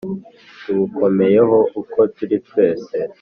Tubukomeyeho uko turi twese